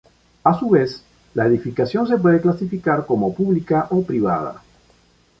A su vez, la edificación se puede clasificar como pública o privada.